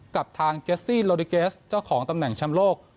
กับทางเจสซี่โลดิเกสเจ้าของตำแหน่งแชมป์โลก